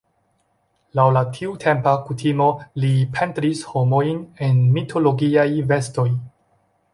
Laŭ la tiutempa kutimo li pentris homojn en mitologiaj vestoj.